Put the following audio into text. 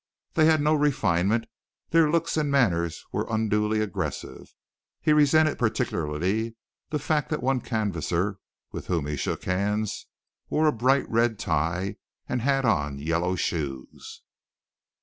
They had no refinement. Their looks and manners were unduly aggressive. He resented particularly the fact that one canvasser with whom he shook hands wore a bright red tie and had on yellow shoes.